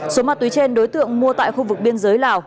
số mặt túi trên đối tượng mua tại khu vực biên giới lào